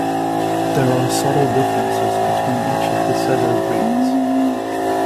There are subtle differences between each of the setter breeds.